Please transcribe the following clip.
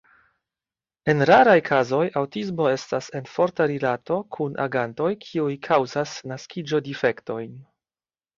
En raraj kazoj aŭtismo estas en forta rilato kun agantoj kiuj kaŭzas naskiĝo-difektojn.